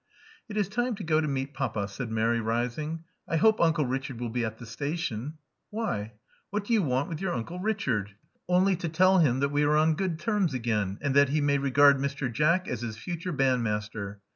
••It is time to go to meet papa," said Mary, rising. ••I hope Uncle Richard will be at the station." •'Why? What • do you want with your Uncle Richard?" "Only to tell him that we are on good terms again, and that he may regard Mr. Jack as his future band master."